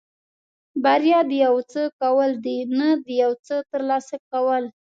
بریا د یو څه کول دي نه د یو څه ترلاسه کول.